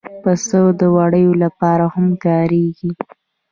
پسه د وړیو لپاره هم کارېږي.